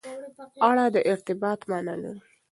اړه د ارتباط معنا لري.